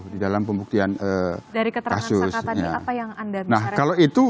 di dalam pembuktian kasusnya dari keterangan tersangka tadi apa yang anda misalkan nah kalau itu